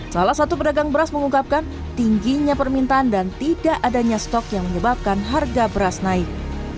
salah satu pedagang beras mengungkapkan tingginya permintaan dan tidak adanya stok yang menyebabkan harga beras naik